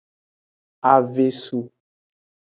Avesu.